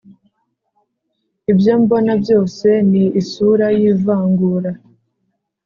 ibyo mbona byose ni isura y'ivangura